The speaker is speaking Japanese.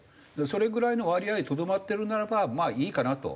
それぐらいの割合でとどまってるならばまあいいかなと。